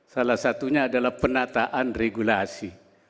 salah satunya adalah penataan regulasi